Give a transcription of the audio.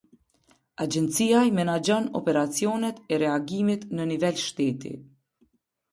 Agjencia i menaxhon operacionet e reagimit në nivel shteti.